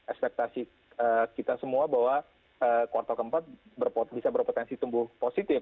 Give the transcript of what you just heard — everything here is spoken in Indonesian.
ekspektasi kita semua bahwa kuartal keempat bisa berpotensi tumbuh positif